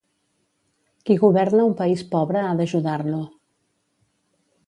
Qui governa un país pobre ha d'ajudar-lo.